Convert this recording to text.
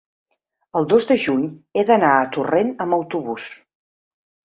el dos de juny he d'anar a Torrent amb autobús.